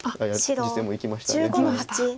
実戦もいきました。